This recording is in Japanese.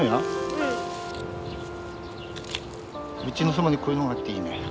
うちのそばにこういうものがあっていいね。